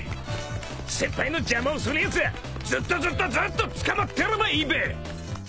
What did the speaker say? ［先輩の邪魔をするやつはずっとずっとずーっと捕まってればいいべ］